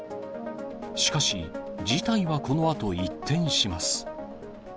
しかし、事態はこのあと一転します。